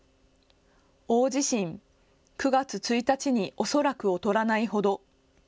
大地震９月１日に恐らく劣らないほど。